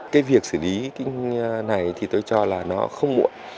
cái việc xử lý cái này thì tôi cho là nó không muộn